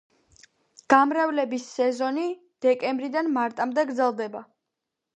გამრავლების სეზონი დეკემბრიდან მარტამდე გრძელდება.